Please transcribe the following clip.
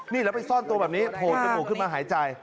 นี่แล้วไปซ่อนตัวแบบนี้โผล่จมูกขึ้นมาหายใจ